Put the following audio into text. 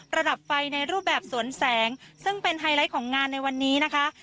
ระดับไฟในรูปแบบสวนแสงซึ่งเป็นไฮไลท์ของงานในวันนี้นะคะ